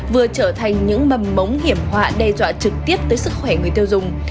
vừa trở thành những mầm mống hiểm họa đe dọa trực tiếp tới sức khỏe người tiêu dùng